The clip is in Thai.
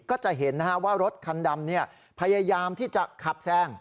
ก็จะเห็นว่ารถคันดำพยายามที่จะขับแซง